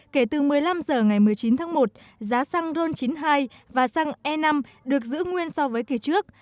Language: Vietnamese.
kể từ một mươi năm h ngày một mươi chín tháng một giá xăng ron chín mươi hai và xăng e năm được giữ nguyên so với kỳ trước